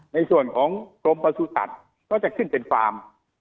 ในส่วนของกรมประสุทธิ์สัตว์ก็จะขึ้นเป็นฟาร์ม